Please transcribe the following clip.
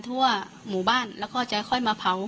ทั่วหมู่บ้านแล้วก็จะค่อยมาเผา